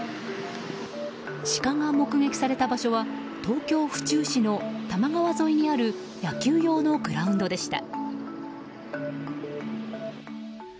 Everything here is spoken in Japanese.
シカが目撃された場所は東京・府中市の多摩川沿いにある野球用のグラウンドでした。